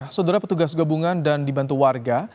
saudara petugas gabungan dan dibantu warga